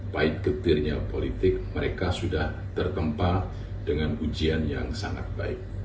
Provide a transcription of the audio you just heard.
baik getirnya politik mereka sudah tertempa dengan ujian yang sangat baik